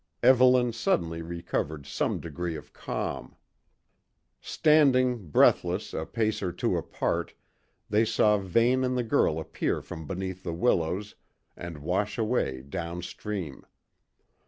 Evelyn suddenly recovered some degree of calm. Standing, breathless, a pace or two apart, they saw Vane and the girl appear from beneath the willows and wash away down stream.